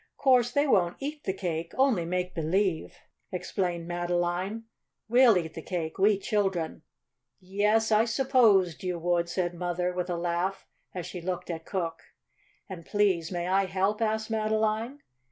"Course they won't EAT the cake only make believe," explained Madeline. "We'll eat the cake we children." "Yes, I supposed you would," said Mother, with a laugh as she looked at Cook. "And, please, may I help?" asked Madeline.